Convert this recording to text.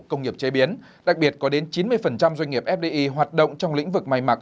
công nghiệp chế biến đặc biệt có đến chín mươi doanh nghiệp fdi hoạt động trong lĩnh vực may mặc